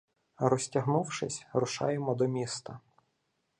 Розтягнувшись, рушаємо до міста.